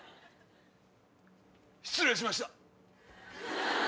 失礼しました。